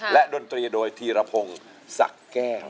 และดนตรีโดยธีรพงศ์ศักดิ์แก้ว